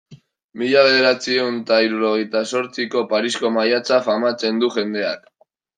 Mila bederatziehun eta hirurogeita zortziko Parisko maiatza famatzen du jendeak.